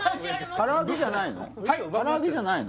唐揚げじゃないの？